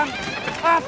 あっ！